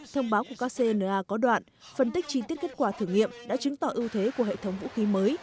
thông báo của kcna có đoạn phân tích chi tiết kết quả thử nghiệm đã chứng tỏ ưu thế của hệ thống vũ khí mới